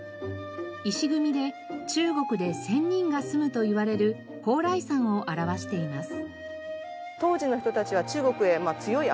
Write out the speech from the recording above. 石組みで中国で仙人が住むといわれる莱山を表しています。